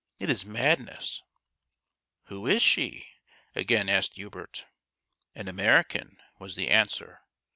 It is madness !"" Who is she ?" again asked Hubert. " An American," was the answer.